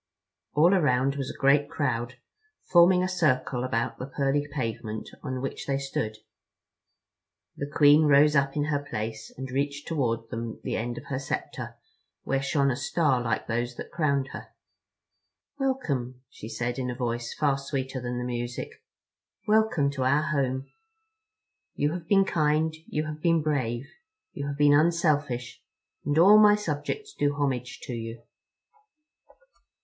All around was a great crowd, forming a circle about the pearly pavement on which they stood. The Queen rose up in her place and reached toward them the end of her scepter where shone a star like those that crowned her. "Welcome," she said in a voice far sweeter than the music, "Welcome to our Home. You have been kind, you have been brave, you have been unselfish, and all my subjects do homage to you."